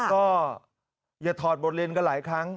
ก็อย่าถอดบทเรียนกันหลายครั้ง